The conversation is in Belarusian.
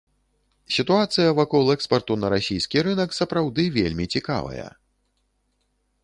Сітуацыя вакол экспарту на расійскі рынак сапраўды вельмі цікавая.